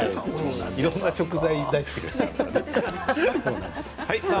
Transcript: いろんな食材が大好きですね。